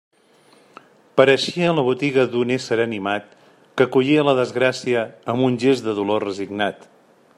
Pareixia la botiga d'un ésser animat que acollia la desgràcia amb un gest de dolor resignat.